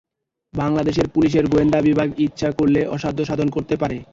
বাংলাদেশের পুলিশের গোয়েন্দা বিভাগ ইচ্ছা করলে অসাধ্য সাধন করতে পারে।